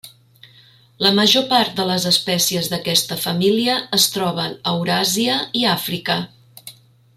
La major part de les espècies d'aquesta família es troben a Euràsia i Àfrica.